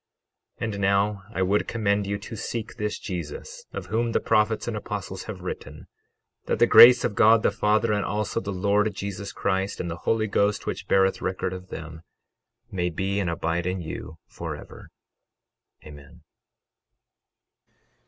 12:41 And now, I would commend you to seek this Jesus of whom the prophets and apostles have written, that the grace of God the Father, and also the Lord Jesus Christ, and the Holy Ghost, which beareth record of them, may be and abide in you forever. Amen.